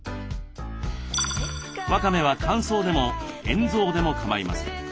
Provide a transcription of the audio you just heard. わかめは乾燥でも塩蔵でも構いません。